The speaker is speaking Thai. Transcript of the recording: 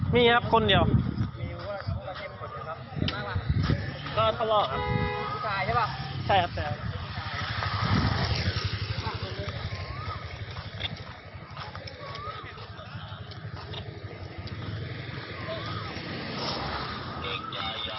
มีครับคนเดียว